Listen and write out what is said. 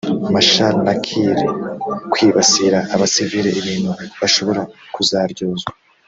Machar na Kiir kwibasira abasivile ibintu bashobora kuzaryozwa